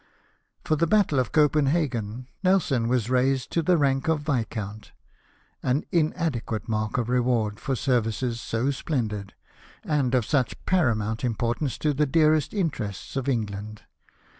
NELSON MADE VISCOUNT, 251 For the battle of Copenhagen, Nelson was raised to the rank of Viscount — an inadequate mark of reward for services so splendid, and of such paramount im portance to the dearest interests of England.